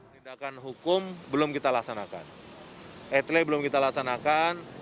tindakan hukum belum kita laksanakan etle belum kita laksanakan